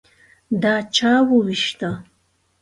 _دا چا ووېشته؟